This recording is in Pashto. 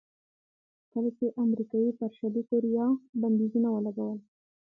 کله چې امریکا پر شلي کوریا بندیزونه ولګول.